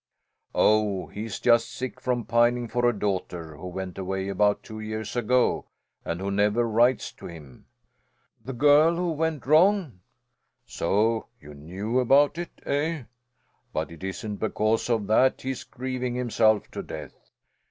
"Oh, he's just sick from pining for a daughter who went away about two years ago, and who never writes to him." "The girl who went wrong?" "So you knew about it, eh? But it isn't because of that he's grieving himself to death.